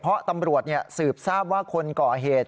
เพราะตำรวจสืบทราบว่าคนก่อเหตุ